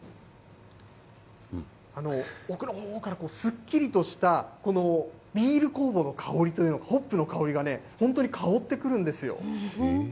奥のほうからすっきりとしたこのビール酵母の香りというか、ホップの香りがね、本当に香ってくるんですよ。